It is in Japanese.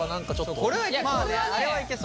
これはいけそう。